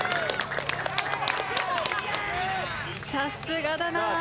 さすがだなぁ。